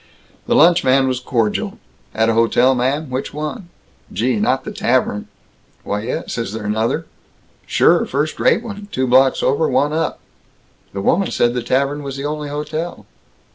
The lunchman was cordial: "At a hotel, ma'am? Which one? Gee, not the Tavern?" "Why yes. Is there another?" "Sure. First rate one, two blocks over, one up." "The woman said the Tavern was the only hotel."